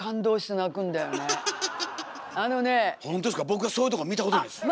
僕はそういうとこ見たことないです。